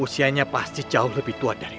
usianya pasti jauh lebih tua dari